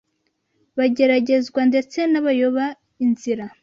bageragezwa ndetse n’abayoba inzira